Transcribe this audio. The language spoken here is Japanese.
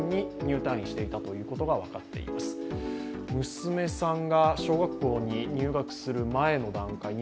娘さんが小学校に入学する前の段階